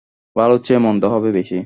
ভালোর চেয়ে মন্দ হবে বেশি।